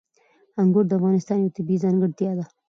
انګور د افغانستان یوه طبیعي ځانګړتیا ده.